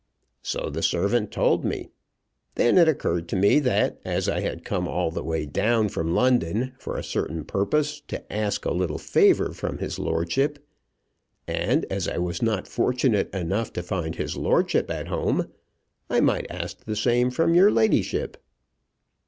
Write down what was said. "So the servant told me. Then it occurred to me that as I had come all the way down from London for a certain purpose, to ask a little favour from his lordship, and as I was not fortunate enough to find his lordship at home, I might ask the same from your ladyship."